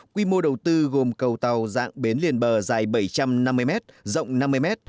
quy mô đầu tư gồm cầu tàu dạng bến liền bờ dài bảy trăm năm mươi m rộng năm mươi m